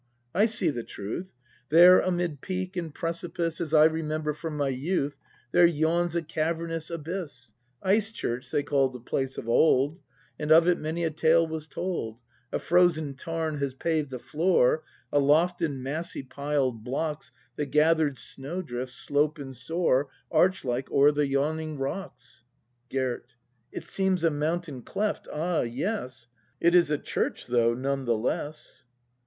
I see the truth! There, amid peak and precipice As I remember from my youth, There yawns a cavernous abyss; "Ice church" they call'd the place of old; And of it many a tale was told; A frozen tarn has paved the floor; Aloft, in massy piled blocks, The gather'd snow drifts slope and soui' Arch like over the yawning rocks. Gerd. It seems a mountain cleft, — ah, yes. It is a church, though, none the less.